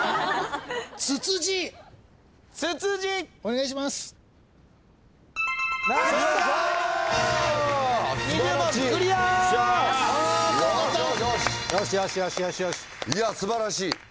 ・いや素晴らしい！